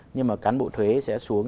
nhưng mà cán bộ thuế sẽ xuống